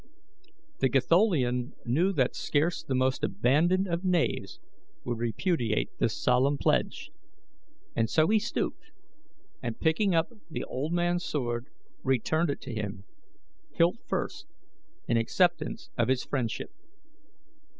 The Gatholian knew that scarce the most abandoned of knaves would repudiate this solemn pledge, and so he stooped, and picking up the old man's sword returned it to him, hilt first, in acceptance of his friendship.